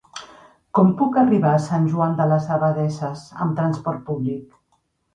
Com puc arribar a Sant Joan de les Abadesses amb trasport públic?